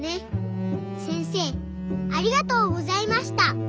せんせいありがとうございました。